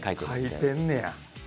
描いてんねや。